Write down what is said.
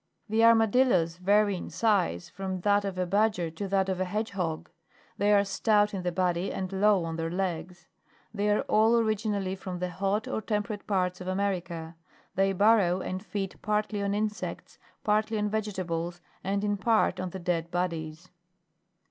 The armadillos vary in size, from that of a badger to that of a hedgehog ; they are stout in the body and low on their legs. They are all origin ally from the hot or temperate parts of America; they burrow, and feed partly on insects, partly on vegetables and in part on dead bodies.